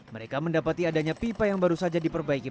mereka mendapati adanya pipa yang baru saja diperbaiki